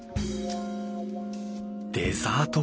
デザート